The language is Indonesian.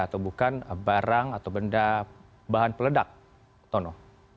atau bukan barang atau benda bahan peledak tono